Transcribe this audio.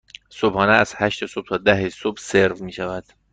صبحانه از هشت صبح تا ده صبح سرو می شود.